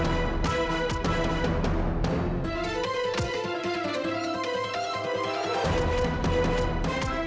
aduh gua dateng